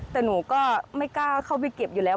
แต่หนูก็ไม่กล้าเข้าไปเก็บอยู่แล้ว